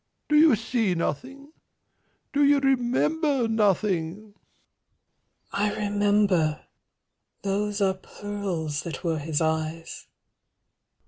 Do you see nothing? Do you remember "Nothing?" I remember Those are pearls that were his eyes.